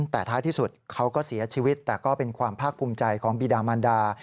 แต่ท้ายที่สุดเขาก็เสียชีวิตแต่ก็เป็นความภาคภูมิใจของบีดามันดา